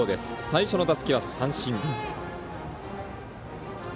最初の打席は三振。